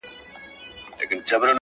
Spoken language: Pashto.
اوس له كندهاره روانـېـــږمه.